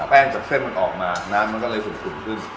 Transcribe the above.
จากเส้นมันออกมาน้ำมันก็เลยสุ่มขึ้น